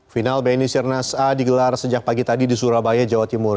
final bni sirnas a digelar sejak pagi tadi di surabaya jawa timur